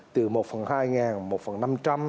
từ một phần hai một phần năm trăm linh